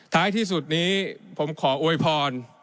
ท้ายที่สุดนี้ผมขออวยพร